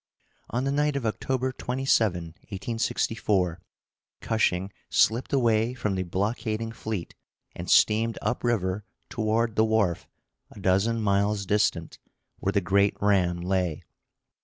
On the night of October 27, 1864, Cushing slipped away from the blockading fleet, and steamed up river toward the wharf, a dozen miles distant, where the great ram lay.